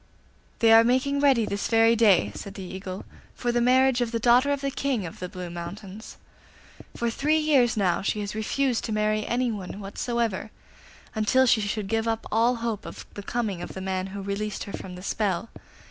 'They are making ready this very day,' said the Eagle, 'for the marriage of the daughter of the King of the Blue Mountains. For three years now she has refused to marry anyone whatsoever, until she should give up all hope of the coming of the man who released her from the spell.